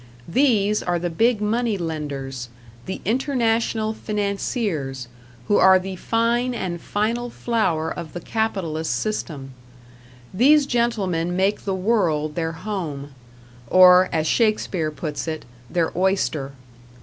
These are the big money lenders, the international financiers who are the fine and final flower of the capitalist system. These gentlemen make the world their home or, as Shakespeare puts it, their oyster.